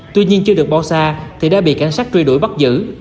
tuy nhiên chưa được bao xa thì đã bị cảnh sát truy đuổi bắt giữ